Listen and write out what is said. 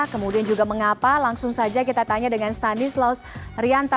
kemudian juga mengapa langsung saja kita tanya dengan stanis laos rianta